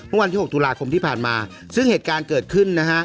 วันที่๖ตุลาคมที่ผ่านมาซึ่งเหตุการณ์เกิดขึ้นนะฮะ